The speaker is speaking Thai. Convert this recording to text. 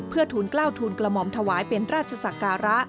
เพื่อทุนเกล้าทุนกลมอมถวายเป็นราชศักรา